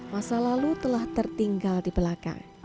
masa lalu telah tertinggal di belakang